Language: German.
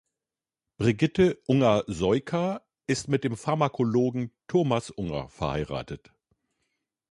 Brigitte Unger-Soyka ist mit dem Pharmakologen Thomas Unger verheiratet.